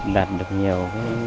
đạt được nhiều